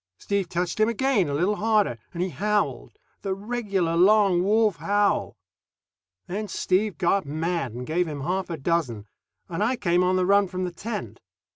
Steve touched him again, a bit harder, and he howled the regular long wolf howl. Then Steve got mad and gave him half a dozen, and I came on the run from the tent.